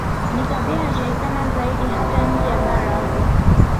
Ni kabila linalojulikana zaidi hata nje ya bara la Afrika